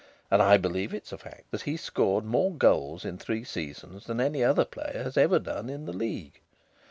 And I believe it is the fact that he scored more goals in three seasons than any other player has ever done in the League.